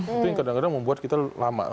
itu yang kadang kadang membuat kita lama